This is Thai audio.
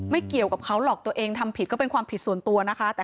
เกี่ยวกับเขาหรอกตัวเองทำผิดก็เป็นความผิดส่วนตัวนะคะ